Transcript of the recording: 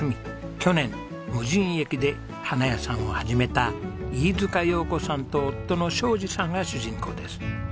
去年無人駅で花屋さんを始めた飯塚陽子さんと夫の将次さんが主人公です。